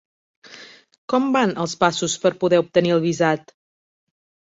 Com van els passos per poder obtenir el visat?